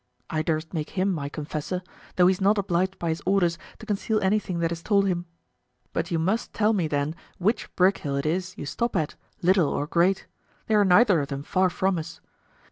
I durst make him my confessor, though he is not obliged by his orders to conceal anything that is told him. But you must tell me then which Brickhill it is you stop at, Little or Great; they are neither of them far from us.